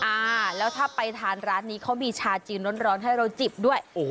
อ่าแล้วถ้าไปทานร้านนี้เขามีชาจีนร้อนให้เราจิบด้วยโอ้โห